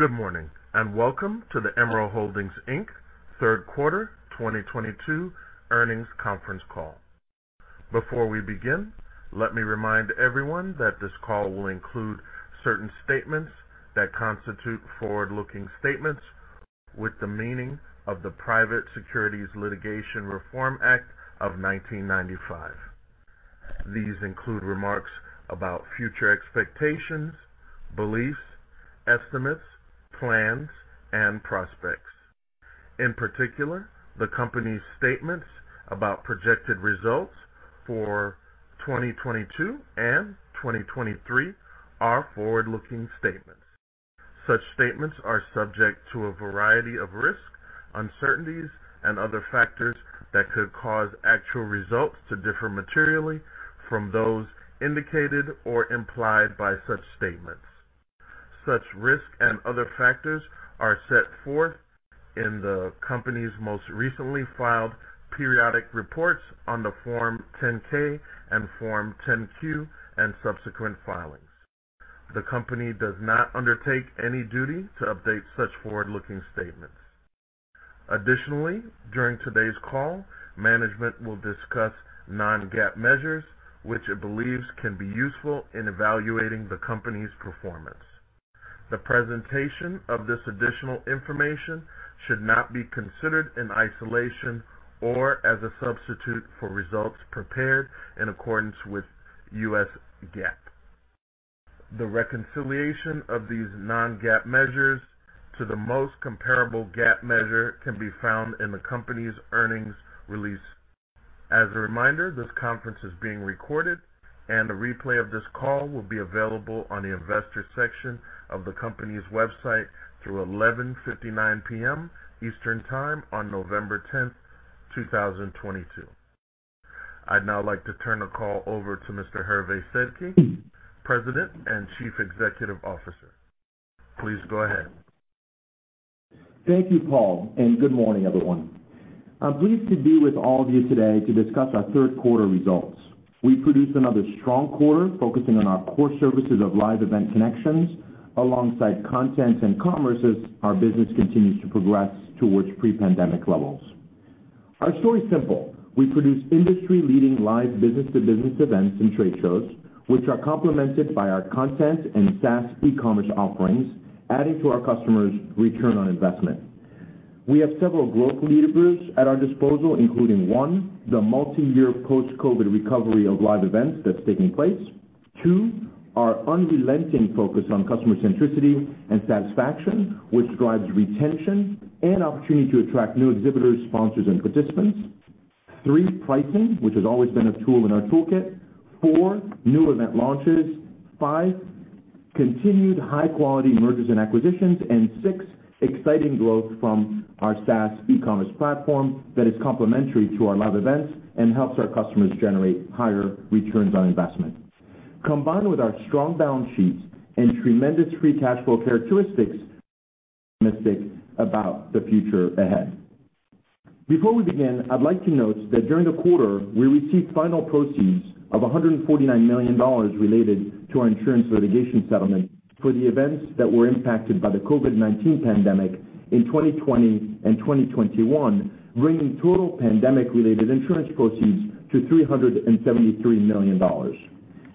Good morning, and welcome to the Emerald Holding, Inc. Q3 2022 Earnings Conference call. Before we begin, let me remind everyone that this call will include certain statements that constitute forward-looking statements with the meaning of the Private Securities Litigation Reform Act of 1995. These include remarks about future expectations, beliefs, estimates, plans, and prospects. In particular, the company's statements about projected results for 2022 and 2023 are forward-looking statements. Such statements are subject to a variety of risks, uncertainties, and other factors that could cause actual results to differ materially from those indicated or implied by such statements. Such risks and other factors are set forth in the company's most recently filed periodic reports on the Form 10-K and Form 10-Q and subsequent filings. The company does not undertake any duty to update such forward-looking statements. Additionally, during today's call, management will discuss non-GAAP measures which it believes can be useful in evaluating the company's performance. The presentation of this additional information should not be considered in isolation or as a substitute for results prepared in accordance with U.S. GAAP. The reconciliation of these non-GAAP measures to the most comparable GAAP measure can be found in the company's earnings release. As a reminder, this conference is being recorded and a replay of this call will be available on the investor section of the company's website through 11:59 P.M. Eastern Time on November 10, 2022. I'd now like to turn the call over to Mr. Hervé Sedky, President and Chief Executive Officer. Please go ahead. Thank you, Paul, and good morning, everyone. I'm pleased to be with all of you today to discuss our Q3 results. We produced another strong quarter focusing on our core services of live event connections alongside content and commerce as our business continues to progress towards pre-pandemic levels. Our story is simple. We produce industry-leading live business-to-business events and trade shows, which are complemented by our content and SaaS e-commerce offerings, adding to our customers' return on investment. We have several growth leaders at our disposal, including, one, the multi-year post-COVID recovery of live events that's taking place. Two, our unrelenting focus on customer centricity and satisfaction, which drives retention and opportunity to attract new exhibitors, sponsors, and participants. Three, pricing, which has always been a tool in our toolkit. Four, new event launches. Five, continued high-quality mergers and acquisitions. Six, exciting growth from our SaaS e-commerce platform that is complementary to our live events and helps our customers generate higher returns on investment. Combined with our strong balance sheets and tremendous Free Cash Flow characteristics, we're optimistic about the future ahead. Before we begin, I'd like to note that during the quarter, we received final proceeds of $149 million-related to our insurance litigation settlement for the events that were impacted by the COVID-19 pandemic in 2020 and 2021, bringing total pandemic-related insurance proceeds to $373 million.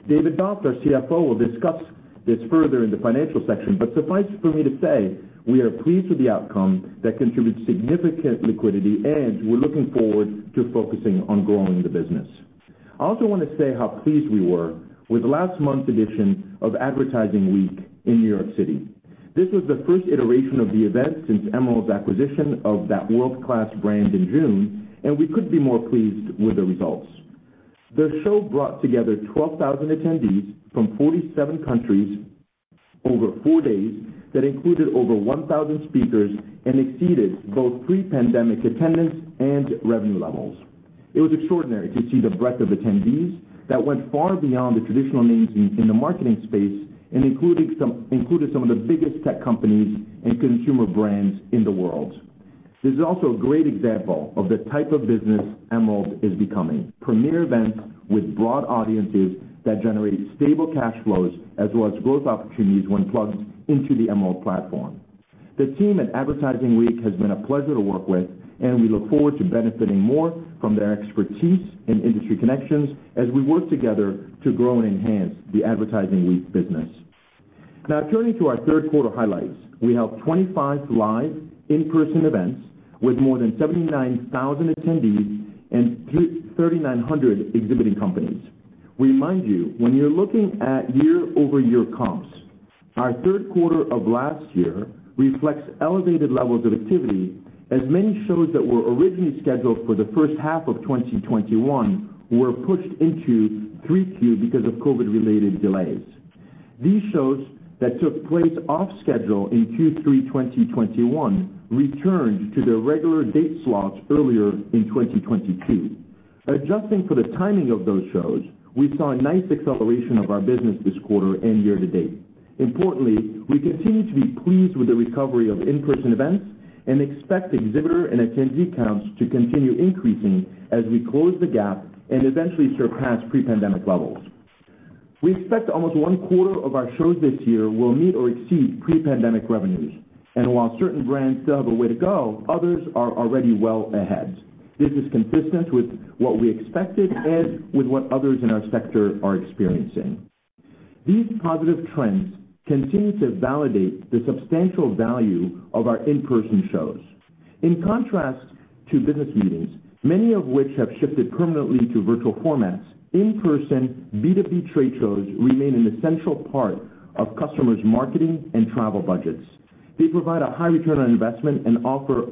David Doft, our CFO, will discuss this further in the financial section. Suffice for me to say, we are pleased with the outcome that contributes significant liquidity, and we're looking forward to focusing on growing the business. I also wanna say how pleased we were with last month's edition of Advertising Week in New York City. This was the first iteration of the event since Emerald's acquisition of that world-class brand in June, and we couldn't be more pleased with the results. The show brought together 12,000 attendees from 47 countries over four days that included over 1,000 speakers and exceeded both pre-pandemic attendance and revenue levels. It was extraordinary to see the breadth of attendees that went far beyond the traditional names in the marketing space and included some of the biggest tech companies and consumer brands in the world. This is also a great example of the type of business Emerald is becoming, premier events with broad audiences that generate stable cash flows as well as growth opportunities when plugged into the Emerald platform. The team at Advertising Week has been a pleasure to work with, and we look forward to benefiting more from their expertise and industry connections as we work together to grow and enhance the Advertising Week business. Now turning to our Q3 highlights. We held 25 live in-person events with more than 79,000 attendees and 3,900 exhibiting companies. We remind you, when you're looking at year-over-year comps, our Q3 of last year reflects elevated levels of activity, as many shows that were originally scheduled for the first half of 2021 were pushed into Q3 because of COVID-related delays. These shows that took place off schedule in Q3 2021 returned to their regular date slots earlier in 2022. Adjusting for the timing of those shows, we saw a nice acceleration of our business this quarter and year-to-date. Importantly, we continue to be pleased with the recovery of in-person events and expect exhibitor and attendee counts to continue increasing as we close the gap and eventually surpass pre-pandemic levels. We expect almost one quarter of our shows this year will meet or exceed pre-pandemic revenues. While certain brands still have a way to go, others are already well ahead. This is consistent with what we expected and with what others in our sector are experiencing. These positive trends continue to validate the substantial value of our in-person shows. In contrast to business meetings, many of which have shifted permanently to virtual formats, in-person B2B trade shows remain an essential part of customers' marketing and travel budgets. They provide a high return on investment and offer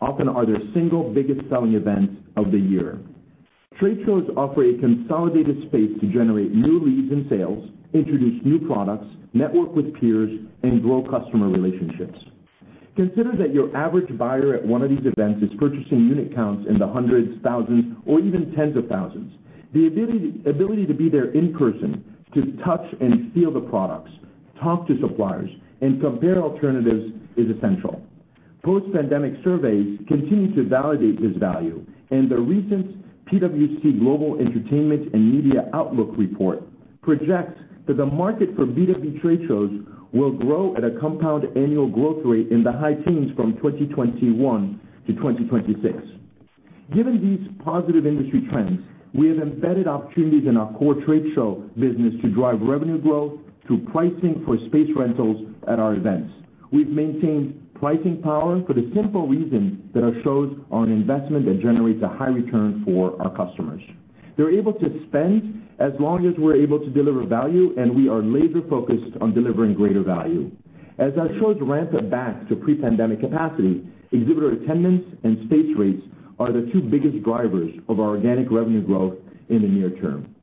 often are their single biggest selling events of the year. Trade shows offer a consolidated space to generate new leads and sales, introduce new products, network with peers, and grow customer relationships. Consider that your average buyer at one of these events is purchasing unit counts in the hundreds, thousands, or even tens of thousands. The ability to be there in person, to touch and feel the products, talk to suppliers, and compare alternatives is essential. Post-pandemic surveys continue to validate this value, and the recent PwC Global Entertainment and Media Outlook report projects that the market for B2B trade shows will grow at a compound annual growth rate in the high teens from 2021 to 2026. Given these positive industry trends, we have embedded opportunities in our core trade show business to drive revenue growth through pricing for space rentals at our events. We've maintained pricing power for the simple reason that our shows are an investment that generates a high return for our customers. They're able to spend as long as we're able to deliver value, and we are laser-focused on delivering greater value. As our shows ramp back to pre-pandemic capacity, exhibitor attendance and space rates are the two biggest drivers of our organic revenue growth in the near-term.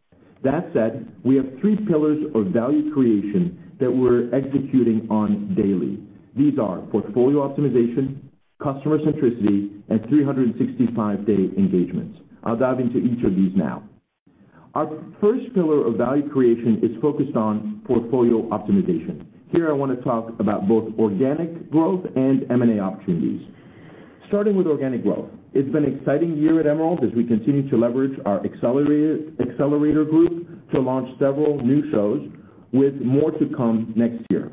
That said, we have three pillars of value creation that we're executing on daily. These are portfolio optimization, customer centricity, and 365-day engagements. I'll dive into each of these now. Our first pillar of value creation is focused on portfolio optimization. Here I wanna talk about both organic growth and M&A opportunities. Starting with organic growth, it's been an exciting year at Emerald as we continue to leverage our Accelerator group to launch several new shows, with more to come next year.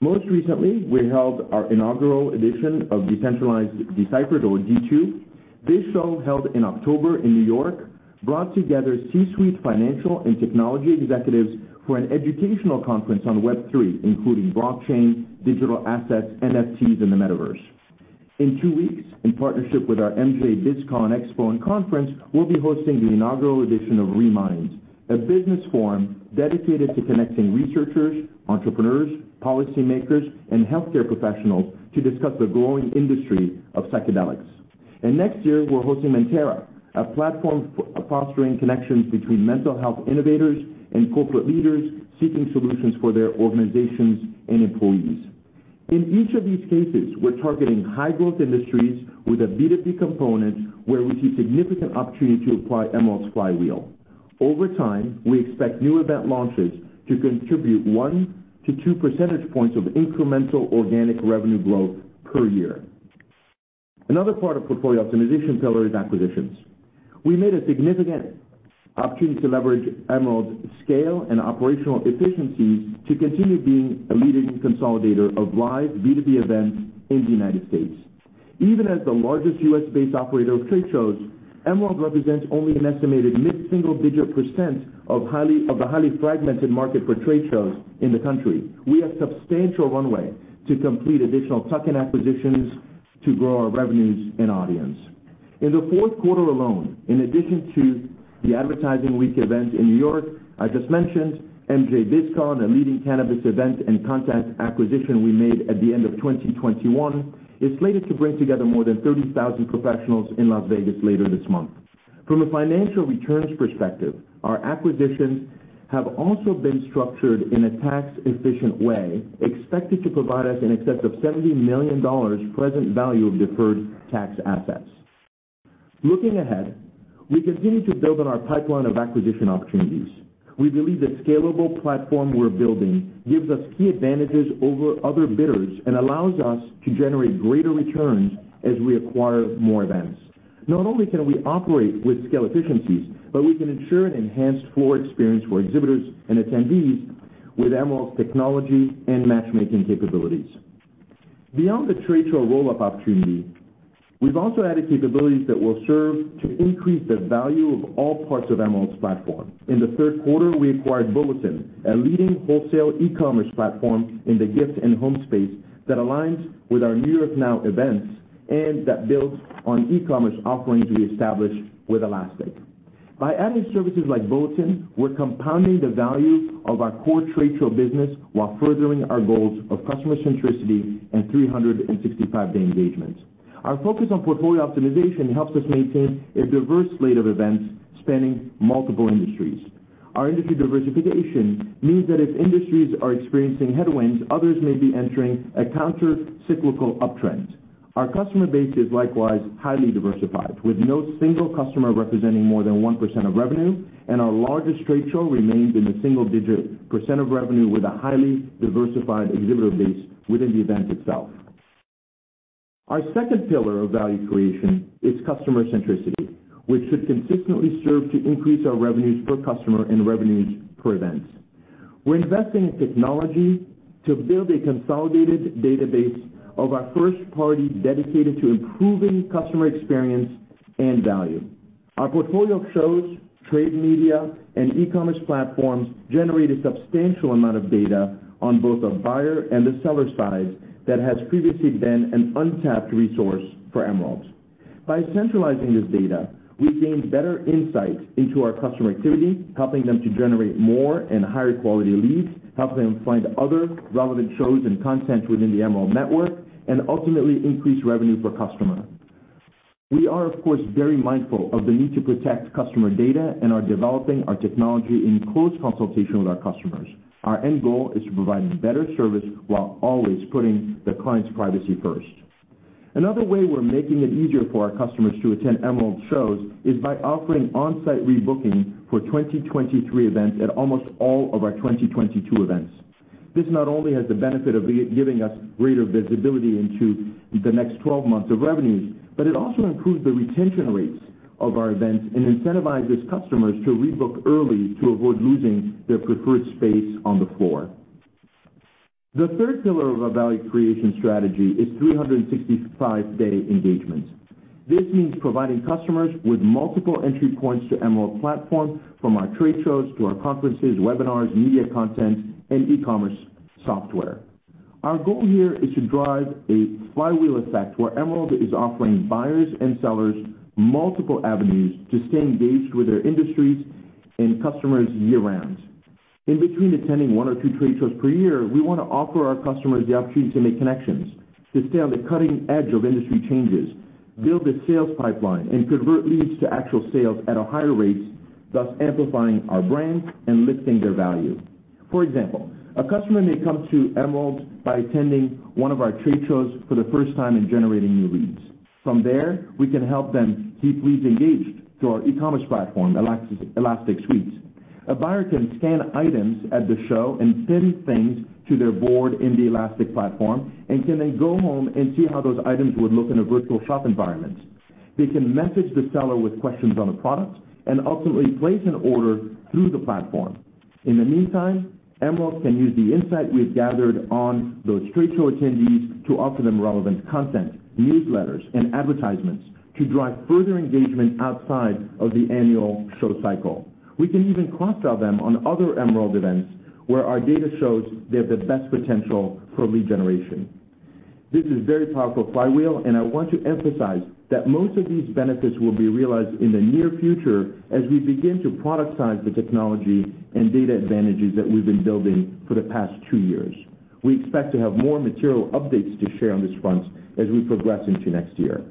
Most recently, we held our inaugural edition of Decentralization Deciphered or D2. This show, held in October in New York, brought together C-suite financial and technology executives for an educational conference on Web3, including blockchain, digital assets, NFTs, and the Metaverse. In two weeks, in partnership with our MJBizCon Expo and Conference, we'll be hosting the inaugural edition of reMind, a business forum dedicated to connecting researchers, entrepreneurs, policymakers, and healthcare professionals to discuss the growing industry of psychedelics. Next year, we're hosting Mentera, a platform fostering connections between mental health innovators and corporate leaders seeking solutions for their organizations and employees. In each of these cases, we're targeting high-growth industries with a B2B component where we see significant opportunity to apply Emerald's flywheel. Over time, we expect new event launches to contribute 1-2 percentage points of incremental organic revenue growth per year. Another part of portfolio optimization pillar is acquisitions. We see a significant opportunity to leverage Emerald's scale and operational efficiencies to continue being a leading consolidator of live B2B events in the United States. Even as the largest U.S.-based operator of trade shows, Emerald represents only an estimated mid-single-digit % of the highly fragmented market for trade shows in the country. We have substantial runway to complete additional tuck-in acquisitions to grow our revenues and audience. In the Q4 alone, in addition to the Advertising Week event in New York I just mentioned, MJBizCon, a leading cannabis event and content acquisition we made at the end of 2021, is slated to bring together more than 30,000 professionals in Las Vegas later this month. From a financial returns perspective, our acquisitions have also been structured in a tax-efficient way, expected to provide us in excess of $70 million present value of deferred tax assets. Looking ahead, we continue to build on our pipeline of acquisition opportunities. We believe the scalable platform we're building gives us key advantages over other bidders and allows us to generate greater returns as we acquire more events. Not only can we operate with scale efficiencies, but we can ensure an enhanced floor experience for exhibitors and attendees with Emerald's technology and matchmaking capabilities. Beyond the trade show roll-up opportunity, we've also added capabilities that will serve to increase the value of all parts of Emerald's platform. In the Q3, we acquired Bulletin, a leading wholesale e-commerce platform in the gift and home space that aligns with our NY NOW events and that builds on e-commerce offerings we established with Elastic. By adding services like Bulletin, we're compounding the value of our core trade show business while furthering our goals of customer centricity and 365-day engagements. Our focus on portfolio optimization helps us maintain a diverse slate of events spanning multiple industries. Our industry diversification means that if industries are experiencing headwinds, others may be entering a counter-cyclical uptrend. Our customer base is likewise highly diversified, with no single customer representing more than 1% of revenue, and our largest trade show remains in the single-digit % of revenue with a highly diversified exhibitor base within the event itself. Our second pillar of value creation is customer centricity, which should consistently serve to increase our revenues per customer and revenues per event. We're investing in technology to build a consolidated database of our first party dedicated to improving customer experience and value. Our portfolio of shows, trade media, and e-commerce platforms generate a substantial amount of data on both the buyer and the seller side that has previously been an untapped resource for Emerald. By centralizing this data, we gain better insight into our customer activity, helping them to generate more and higher-quality leads, helping them find other relevant shows and content within the Emerald network, and ultimately increase revenue per customer. We are, of course, very mindful of the need to protect customer data and are developing our technology in close consultation with our customers. Our end goal is to provide better service while always putting the client's privacy first. Another way we're making it easier for our customers to attend Emerald shows is by offering on-site rebooking for 2023 events at almost all of our 2022 events. This not only has the benefit of giving us greater visibility into the next 12 months of revenues, but it also improves the retention rates of our events and incentivizes customers to rebook early to avoid losing their preferred space on the floor. The third pillar of our value creation strategy is 365-day engagement. This means providing customers with multiple entry points to Emerald platform, from our trade shows to our conferences, webinars, media content, and e-commerce software. Our goal here is to drive a flywheel effect where Emerald is offering buyers and sellers multiple avenues to stay engaged with their industries and customers year-round. In between attending one or two trade shows per year, we wanna offer our customers the opportunity to make connections, to stay on the cutting edge of industry changes, build a sales pipeline, and convert leads to actual sales at a higher rate, thus amplifying our brand and lifting their value. For example, a customer may come to Emerald by attending one of our trade shows for the first time in generating new leads. From there, we can help them keep leads engaged through our e-commerce platform, Elastic Suite. A buyer can scan items at the show and pin things to their board in the Elastic platform and can then go home and see how those items would look in a virtual shop environment. They can message the seller with questions on the product and ultimately place an order through the platform. In the meantime, Emerald can use the insight we've gathered on those trade show attendees to offer them relevant content, newsletters, and advertisements to drive further engagement outside of the annual show cycle. We can even cross-sell them on other Emerald events where our data shows they have the best potential for lead generation. This is a very powerful flywheel, and I want to emphasize that most of these benefits will be realized in the near future as we begin to productize the technology and data advantages that we've been building for the past two years. We expect to have more material updates to share on this front as we progress into next year.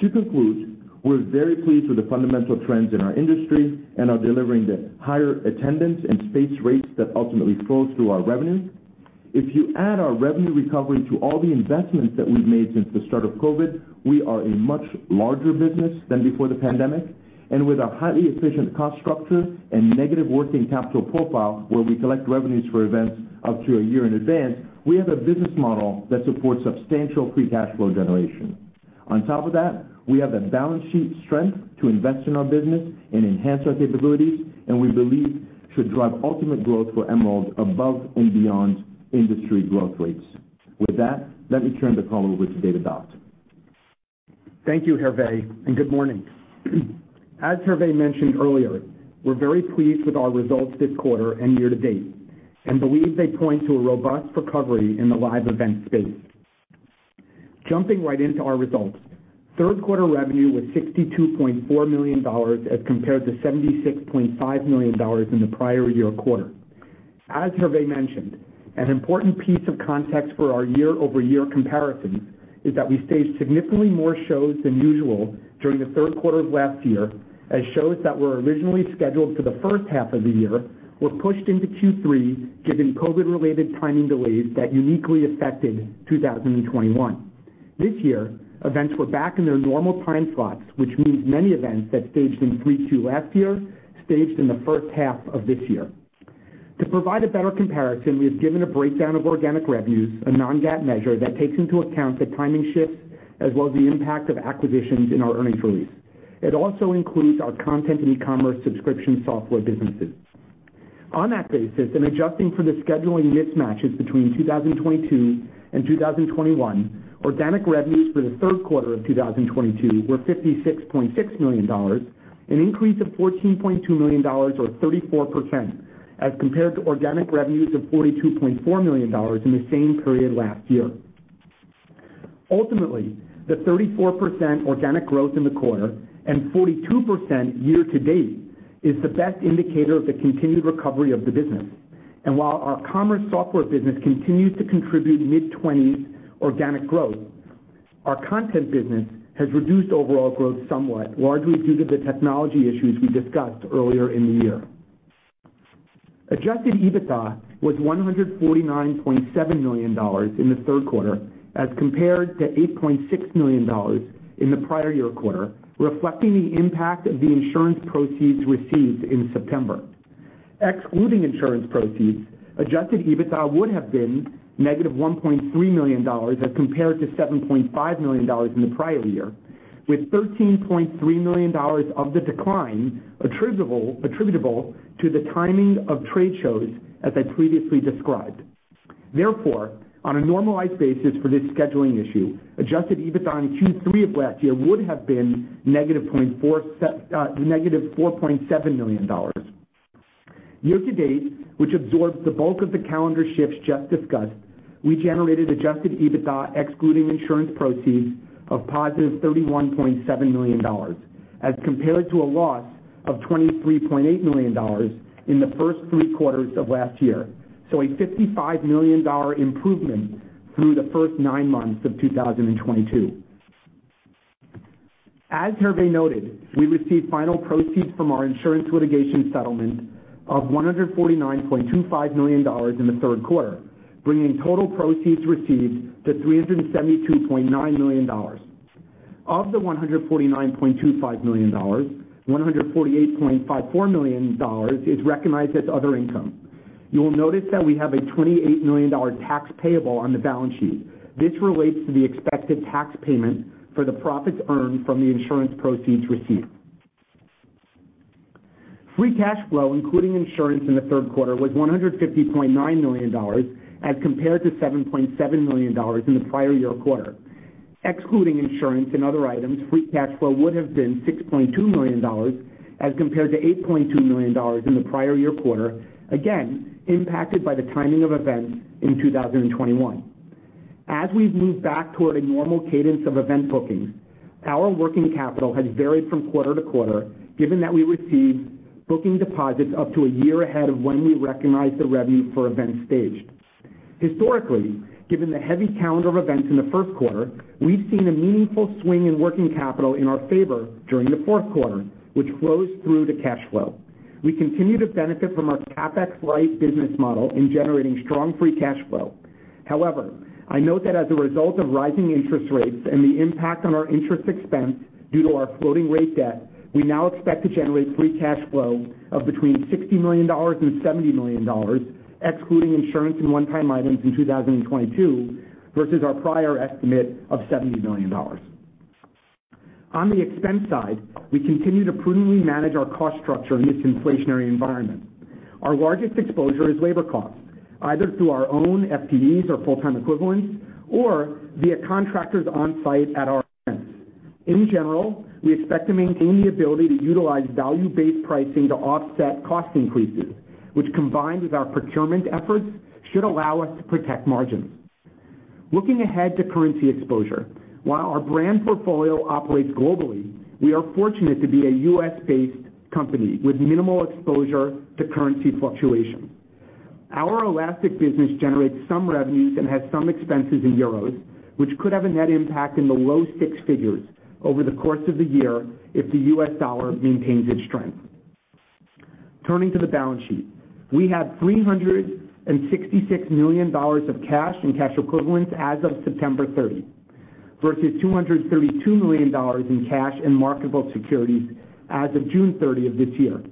To conclude, we're very pleased with the fundamental trends in our industry and are delivering the higher attendance and space rates that ultimately flow through our revenues. If you add our revenue recovery to all the investments that we've made since the start of COVID, we are a much larger business than before the pandemic. With a highly efficient cost structure and negative working capital profile where we collect revenues for events up to a year in advance, we have a business model that supports substantial Free Cash Flow generation. On top of that, we have the balance sheet strength to invest in our business and enhance our capabilities, and we believe should drive ultimate growth for Emerald above and beyond industry growth rates. With that, let me turn the call over to David Doft. Thank you, Hervé, and good morning. As Hervé mentioned earlier, we're very pleased with our results this quarter and year-to-date and believe they point to a robust recovery in the live event space. Jumping right into our results, Q3 revenue was $62.4 million as compared to $76.5 million in the prior year quarter. As Hervé mentioned, an important piece of context for our year-over-year comparison is that we staged significantly more shows than usual during the Q3 of last year, as shows that were originally scheduled for the first half of the year were pushed into Q3, given COVID-related timing delays that uniquely affected 2021. This year, events were back in their normal time slots, which means many events that staged in Q3 last year staged in the first half of this year. To provide a better comparison, we have given a breakdown of organic revenues, a non-GAAP measure that takes into account the timing shifts as well as the impact of acquisitions in our earnings release. It also includes our content and e-commerce subscription software businesses. On that basis, and adjusting for the scheduling mismatches between 2022 and 2021, organic revenues for the Q3 of 2022 were $56.6 million, an increase of $14.2 million or 34% as compared to organic revenues of $42.4 million in the same period last year. Ultimately, the 34% organic growth in the quarter and 42% year-to-date is the best indicator of the continued recovery of the business. While our commerce software business continues to contribute mid-20s% organic growth, our content business has reduced overall growth somewhat, largely due to the technology issues we discussed earlier in the year. Adjusted EBITDA was $149.7 million in the Q3 as compared to $8.6 million in the prior year quarter, reflecting the impact of the insurance proceeds received in September. Excluding insurance proceeds, adjusted EBITDA would have been -$1.3 million as compared to $7.5 million in the prior year, with $13.3 million of the decline attributable to the timing of trade shows, as I previously described. Therefore, on a normalized basis for this scheduling issue, adjusted EBITDA in Q3 of last year would have been -$4.7 million. Year-to-date, which absorbs the bulk of the calendar shifts just discussed, we generated adjusted EBITDA excluding insurance proceeds of positive $31.7 million, as compared to a loss of $23.8 million in the first three quarters of last year. A $55 million improvement through the first nine months of 2022. As Hervé noted, we received final proceeds from our insurance litigation settlement of $149.25 million in the Q3, bringing total proceeds received to $372.9 million. Of the $149.25 million, $148.54 million is recognized as other income. You will notice that we have a $28 million tax payable on the balance sheet. This relates to the expected tax payment for the profits earned from the insurance proceeds received. Free Cash Flow, including insurance in the Q3, was $150.9 million as compared to $7.7 million in the prior year quarter. Excluding insurance and other items, Free Cash Flow would have been $6.2 million as compared to $8.2 million in the prior year quarter, again, impacted by the timing of events in 2021. As we've moved back toward a normal cadence of event bookings, our working capital has varied from quarter-to-quarter, given that we receive booking deposits up to a year ahead of when we recognize the revenue for events staged. Historically, given the heavy calendar of events in the Q1, we've seen a meaningful swing in working capital in our favor during the Q4, which flows through to cash flow. We continue to benefit from our CapEx-light business model in generating strong Free Cash Flow. However, I note that as a result of rising interest rates and the impact on our interest expense due to our floating rate debt, we now expect to generate Free Cash Flow of between $60 million and $70 million, excluding insurance and one-time items in 2022, versus our prior estimate of $70 million. On the expense side, we continue to prudently manage our cost structure in this inflationary environment. Our largest exposure is labor costs, either through our own FTEs or full-time equivalents, or via contractors on-site at our events. In general, we expect to maintain the ability to utilize value-based pricing to offset cost increases, which combined with our procurement efforts, should allow us to protect margins. Looking ahead to currency exposure, while our brand portfolio operates globally, we are fortunate to be a U.S.-based company with minimal exposure to currency fluctuation. Our Elastic Business generates some revenues and has some expenses in euros, which could have a net impact in the low six figures over the course of the year if the U.S. dollar maintains its strength. Turning to the balance sheet, we had $366 million of cash and cash equivalents as of September 30, versus $232 million in cash and marketable securities as of June 30 of this year.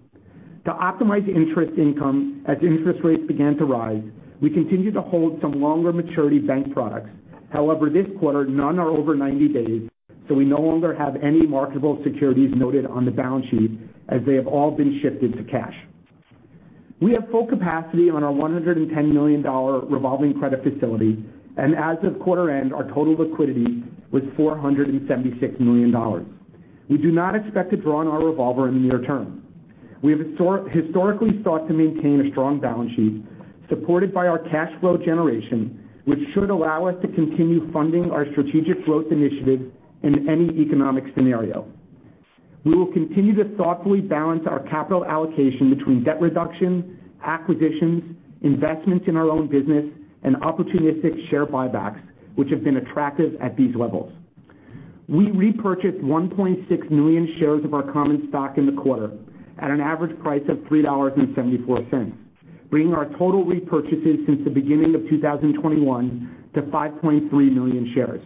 To optimize interest income as interest rates began to rise, we continue to hold some longer maturity bank products. However, this quarter, none are over 90 days, so we no longer have any marketable securities noted on the balance sheet, as they have all been shifted to cash. We have full capacity on our $110 million revolving credit facility, and as of quarter end, our total liquidity was $476 million. We do not expect to draw on our revolver in the near-term. We have historically sought to maintain a strong balance sheet supported by our cash flow generation, which should allow us to continue funding our strategic growth initiatives in any economic scenario. We will continue to thoughtfully balance our capital allocation between debt reduction, acquisitions, investments in our own business, and opportunistic share buybacks, which have been attractive at these levels. We repurchased 1.6 million shares of our common stock in the quarter at an average price of $3.74, bringing our total repurchases since the beginning of 2021 to 5.3 million shares.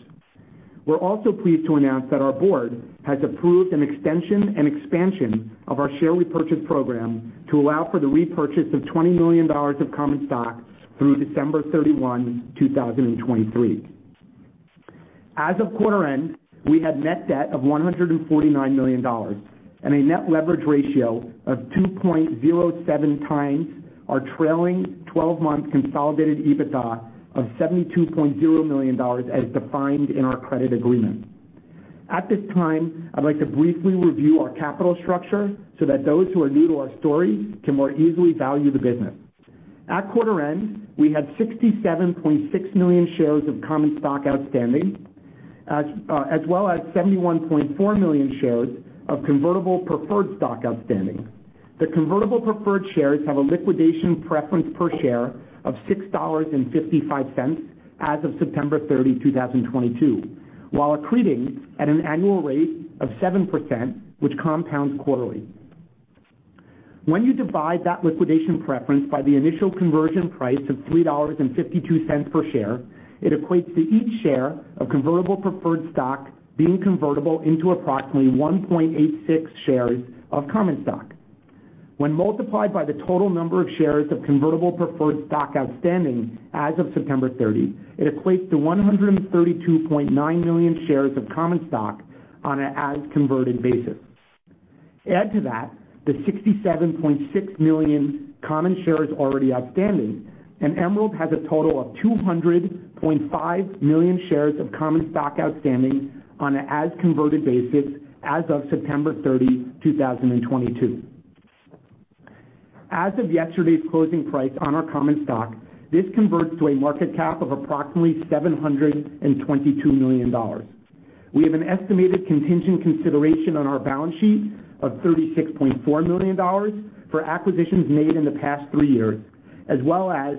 We're also pleased to announce that our board has approved an extension and expansion of our share repurchase program to allow for the repurchase of $20 million of common stock through December 31, 2023. As of quarter end, we had net debt of $149 million and a net leverage ratio of 2.07 times our trailing 12-month consolidated EBITDA of $72.0 million as defined in our credit agreement. At this time, I'd like to briefly review our capital structure so that those who are new to our story can more easily value the business. At quarter end, we had 67.6 million shares of common stock outstanding, as well as 71.4 million shares of convertible preferred stock outstanding. The convertible preferred shares have a liquidation preference per share of $6.55 as of September 30, 2022, while accreting at an annual rate of 7%, which compounds quarterly. When you divide that liquidation preference by the initial conversion price of $3.52 per share, it equates to each share of convertible preferred stock being convertible into approximately 1.86 shares of common stock. When multiplied by the total number of shares of convertible preferred stock outstanding as of September 30, it equates to 132.9 million shares of common stock on a as converted basis. Add to that the $67.6 million common shares already outstanding, and Emerald has a total of 200.5 million shares of common stock outstanding on an as-converted basis as of September 30, 2022. As of yesterday's closing price on our common stock, this converts to a market cap of approximately $722 million. We have an estimated contingent consideration on our balance sheet of $36.4 million for acquisitions made in the past three years, as well as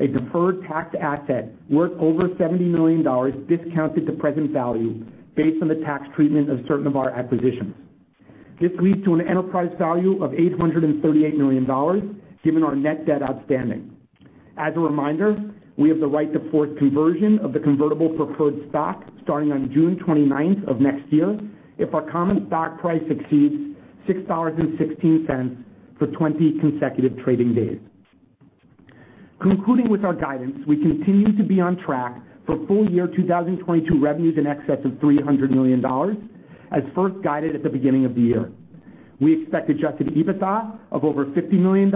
a deferred tax asset worth over $70 million discounted to present value-based on the tax treatment of certain of our acquisitions. This leads to an enterprise value of $838 million given our net debt outstanding. As a reminder, we have the right to force conversion of the convertible preferred stock starting on June 29th of next year if our common stock price exceeds $6.16 for 20 consecutive trading days. Concluding with our guidance, we continue to be on track for Full Year 2022 revenues in excess of $300 million as first guided at the beginning of the year. We expect adjusted EBITDA of over $50 million,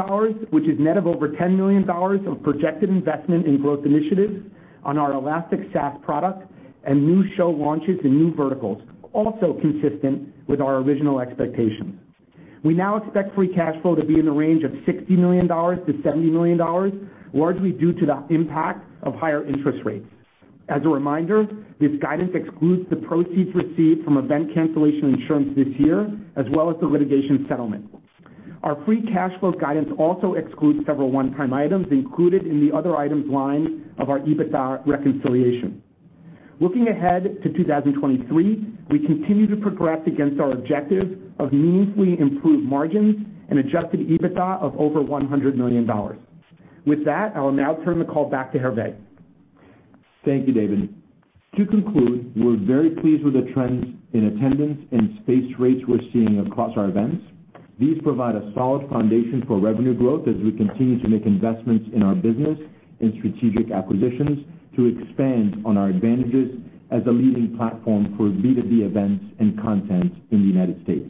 which is net of over $10 million of projected investment in growth initiatives on our Elastic SaaS product and new show launches in new verticals, also consistent with our original expectations. We now expect Free Cash Flow to be in the range of $60 million-$70 million, largely due to the impact of higher interest rates. As a reminder, this guidance excludes the proceeds received from event cancellation insurance this year, as well as the litigation settlement. Our Free Cash Flow guidance also excludes several one-time items included in the other items line of our EBITDA reconciliation. Looking ahead to 2023, we continue to progress against our objective of meaningfully improved margins and adjusted EBITDA of over $100 million. With that, I will now turn the call back to Hervé. Thank you, David. To conclude, we're very pleased with the trends in attendance and space rates we're seeing across our events. These provide a solid foundation for revenue growth as we continue to make investments in our business and strategic acquisitions to expand on our advantages as a leading platform for B2B events and content in the United States.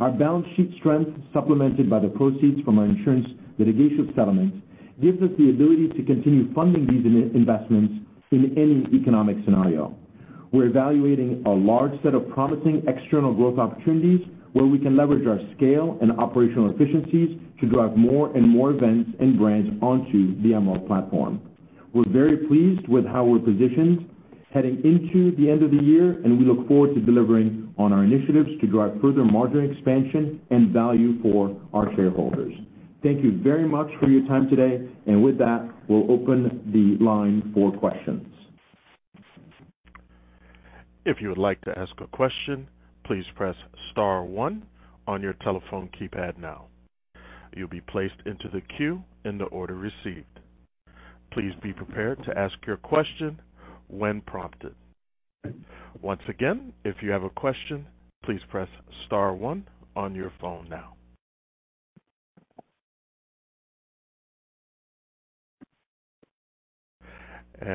Our balance sheet strength, supplemented by the proceeds from our insurance litigation settlement, gives us the ability to continue funding these investments in any economic scenario. We're evaluating a large set of promising external growth opportunities where we can leverage our scale and operational efficiencies to drive more and more events and brands onto the Emerald platform. We're very pleased with how we're positioned heading into the end of the year, and we look forward to delivering on our initiatives to drive further margin expansion and value for our shareholders. Thank you very much for your time today. With that, we'll open the line for questions. If you would like to ask a question, please press Star one on your telephone keypad now. You'll be placed into the queue in the order received. Please be prepared to ask your question when prompted. Once again, if you have a question, please press Star one on your phone now.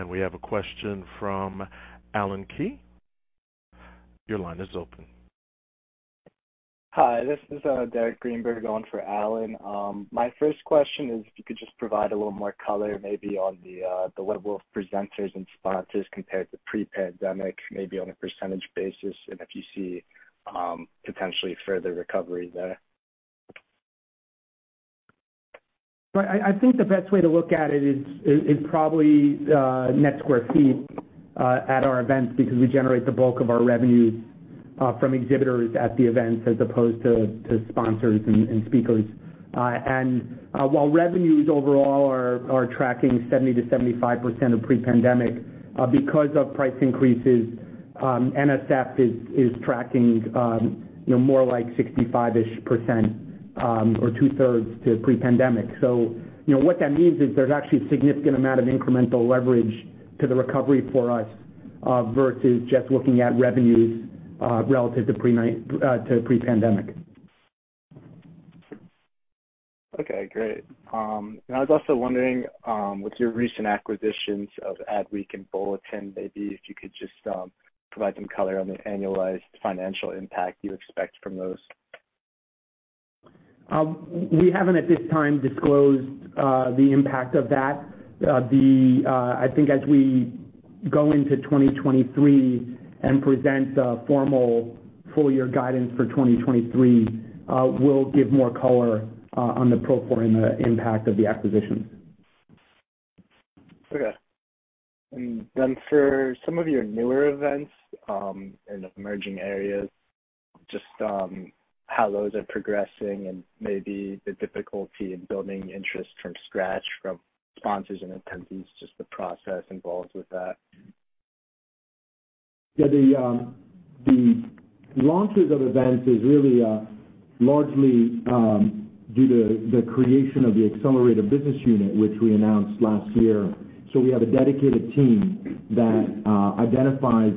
We have a question from Allen Klee. Your line is open. Hi, this is Derek Greenberg going for Allen. My first question is if you could just provide a little more color maybe on the level of presenters and sponsors compared to pre-pandemic, maybe on a percentage basis, and if you see potentially further recovery there. I think the best way to look at it is probably net square feet at our events because we generate the bulk of our revenues from exhibitors at the events as opposed to sponsors and speakers. While revenues overall are tracking 70%-75% of pre-pandemic because of price increases, NSF is tracking, you know, more like 65-ish% or two-thirds of pre-pandemic. You know, what that means is there's actually a significant amount of incremental leverage to the recovery for us versus just looking at revenues relative to pre-pandemic. Okay, great. I was also wondering, with your recent acquisitions of Ad Week and Bulletin, maybe if you could just, provide some color on the annualized financial impact you expect from those. We haven't at this time disclosed the impact of that. I think as we go into 2023 and present a formal full year guidance for 2023, we'll give more color on the pro forma impact of the acquisitions. Okay. For some of your newer events, in the emerging areas, just, how those are progressing and maybe the difficulty in building interest from scratch from sponsors and attendees, just the process involved with that. Yeah. The launches of events is really largely due to the creation of the Accelerator Business Unit, which we announced last year. We have a dedicated team that identifies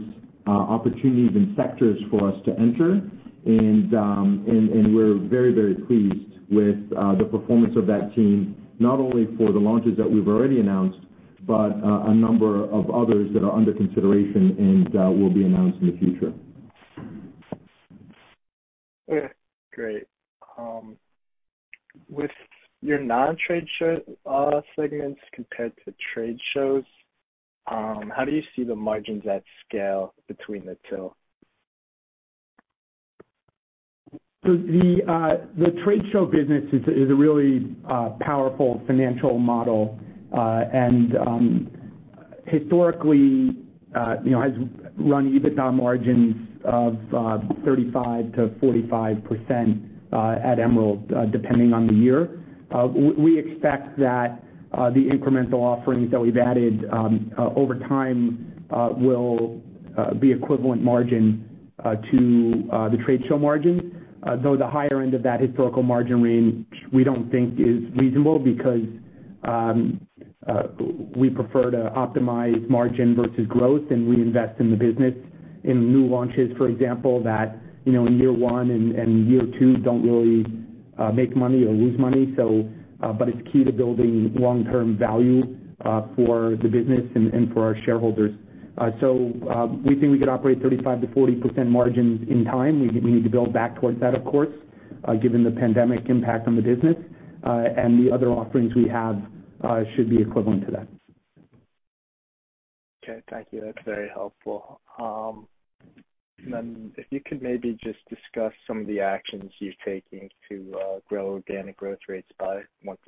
opportunities and sectors for us to enter. We're very, very pleased with the performance of that team, not only for the launches that we've already announced. A number of others that are under consideration and will be announced in the future. Okay, great. With your non-trade show segments compared to trade shows, how do you see the margins at scale between the two? The trade show business is a really powerful financial model. Historically, you know, has run EBITDA margins of 35%-45% at Emerald, depending on the year. We expect that the incremental offerings that we've added over time will be equivalent margin to the trade show margin. Though the higher end of that historical margin range we don't think is reasonable because we prefer to optimize margin versus growth, and we invest in the business in new launches, for example, that you know, in year one and year two don't really make money or lose money, but it's key to building long-term value for the business and for our shareholders. We think we could operate 35%-40% margins in time. We need to build back towards that, of course, given the pandemic impact on the business. The other offerings we have should be equivalent to that. Okay. Thank you. That's very helpful. If you could maybe just discuss some of the actions you're taking to grow organic growth rates by 1%-2%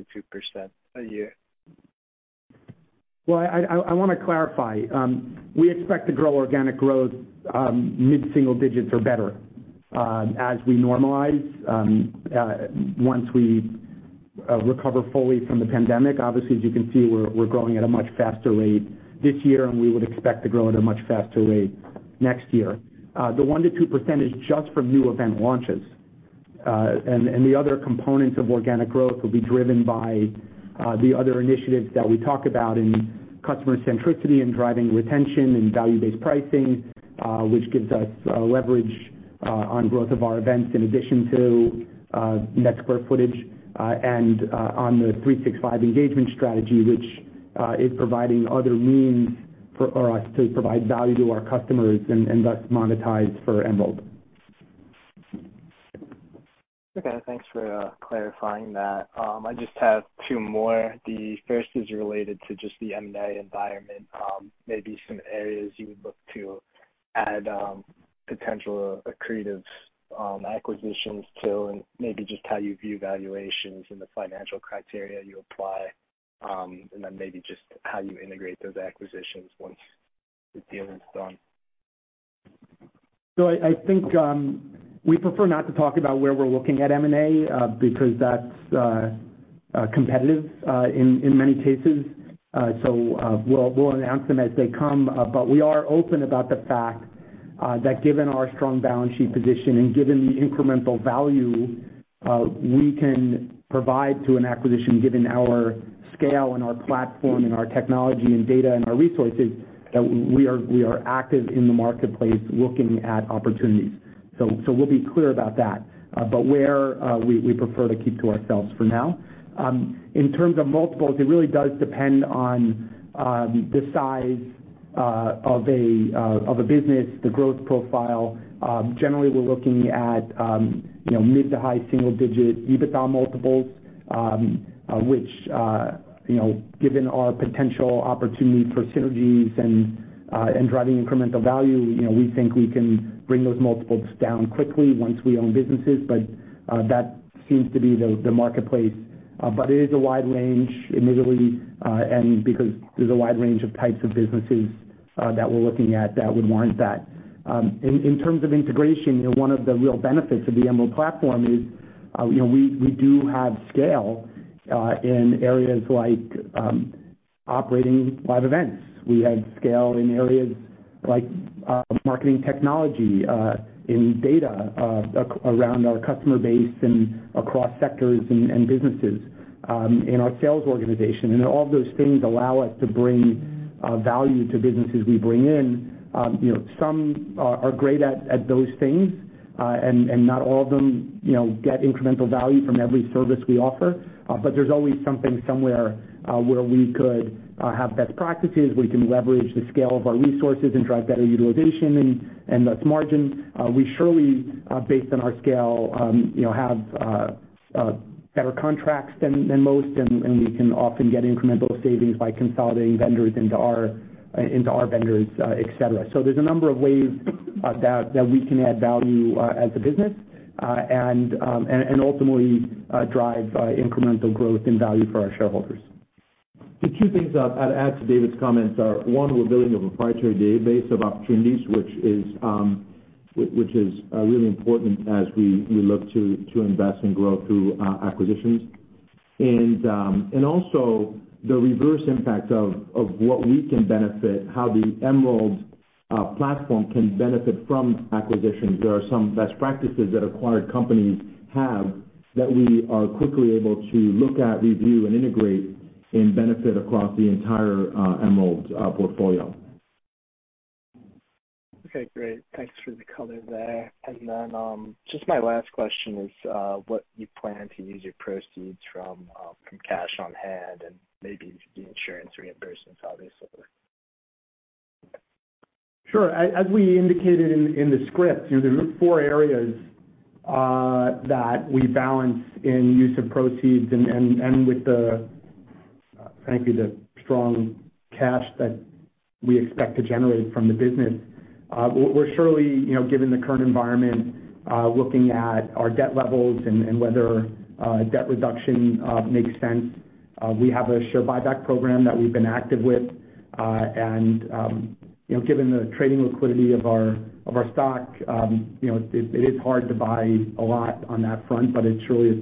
a year. Well, I wanna clarify. We expect to grow organic growth mid-single digits or better as we normalize once we recover fully from the pandemic. Obviously, as you can see, we're growing at a much faster rate this year, and we would expect to grow at a much faster rate next year. The 1%-2% is just from new event launches. The other components of organic growth will be driven by the other initiatives that we talk about in customer centricity and driving retention and value-based pricing, which gives us leverage on growth of our events in addition to net square footage, and on the 365 engagement strategy, which is providing other means for us to provide value to our customers and thus monetize for Emerald. Okay, thanks for clarifying that. I just have two more. The first is related to just the M&A environment, maybe some areas you would look to add, potential accretive acquisitions to, and maybe just how you view valuations and the financial criteria you apply. Maybe just how you integrate those acquisitions once the deal is done. I think we prefer not to talk about where we're looking at M&A because that's competitive in many cases. We'll announce them as they come. We are open about the fact that given our strong balance sheet position and given the incremental value we can provide to an acquisition, given our scale and our platform and our technology and data and our resources, that we are active in the marketplace looking at opportunities. We'll be clear about that. Where we prefer to keep to ourselves for now. In terms of multiples, it really does depend on the size of a business, the growth profile. Generally, we're looking at, you know, mid- to high-single-digit EBITDA multiples, which, you know, given our potential opportunity for synergies and driving incremental value, you know, we think we can bring those multiples down quickly once we own businesses. That seems to be the marketplace. It is a wide range initially, and because there's a wide range of types of businesses that we're looking at that would warrant that. In terms of integration, you know, one of the real benefits of the Emerald platform is, you know, we do have scale in areas like operating live events. We have scale in areas like marketing technology, in data around our customer base and across sectors and businesses in our sales organization. All of those things allow us to bring value to businesses we bring in. You know, some are great at those things, and not all of them, you know, get incremental value from every service we offer. There's always something somewhere where we could have best practices. We can leverage the scale of our resources and drive better utilization and thus margin. We surely, based on our scale, you know, have better contracts than most, and we can often get incremental savings by consolidating vendors into our vendors, et cetera. There's a number of ways that we can add value as a business, and ultimately drive incremental growth and value for our shareholders. The two things I'd add to David's comments are, one, we're building a proprietary database of opportunities, which is really important as we look to invest and grow through acquisitions. Also the reverse impact of what we can benefit, how the Emerald platform can benefit from acquisitions. There are some best practices that acquired companies have that we are quickly able to look at, review, and integrate and benefit across the entire Emerald portfolio. Okay, great. Thanks for the color there. Just my last question is, what you plan to use your proceeds from cash on hand and maybe the insurance reimbursements, obviously? Sure. As we indicated in the script, you know, there's four areas that we balance in use of proceeds and with the frankly strong cash that we expect to generate from the business. We're surely, you know, given the current environment, looking at our debt levels and whether debt reduction makes sense. We have a share buyback program that we've been active with. You know, given the trading liquidity of our stock, you know, it is hard to buy a lot on that front, but it surely is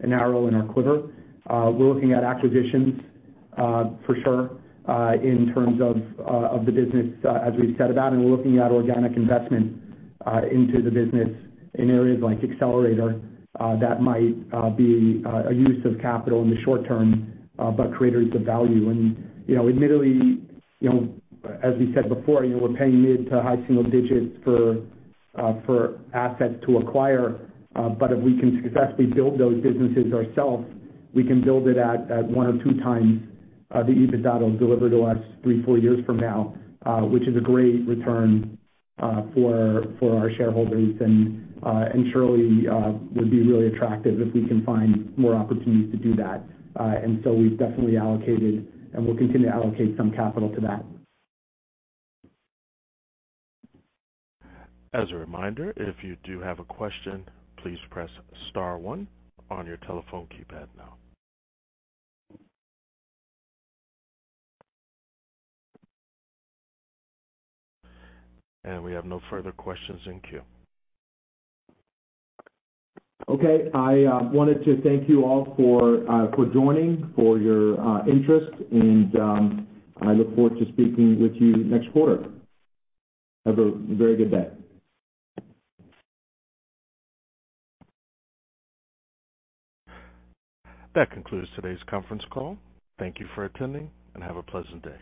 an arrow in our quiver. We're looking at acquisitions, for sure, in terms of the business, as we've said about, and we're looking at organic investment into the business in areas like Accelerator that might be a use of capital in the short-term, but creators of value. You know, admittedly, you know, as we said before, you know, we're paying mid- to high single-digits for assets to acquire. But if we can successfully build those businesses ourselves, we can build it at one or two times the EBITDA will deliver to us three or four years from now, which is a great return for our shareholders. Surely would be really attractive if we can find more opportunities to do that. We've definitely allocated and will continue to allocate some capital to that. As a reminder, if you do have a question, please press Star one on your telephone keypad now. We have no further questions in queue. Okay. I wanted to thank you all for joining, for your interest, and I look forward to speaking with you next quarter. Have a very good day. That concludes today's conference call. Thank you for attending, and have a pleasant day.